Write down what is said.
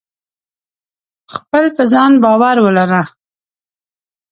خپل په ځان باور ولره !